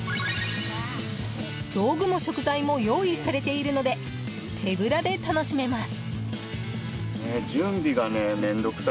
道具も食材も用意されているので手ぶらで楽しめます。